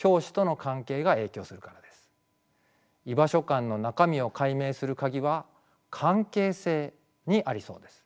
居場所感の中身を解明する鍵は関係性にありそうです。